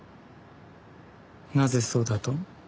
なぜそうだと？